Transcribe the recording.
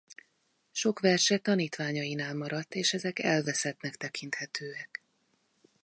Sok verse tanítványainál maradt és ezek elveszettnek tekinthetőek.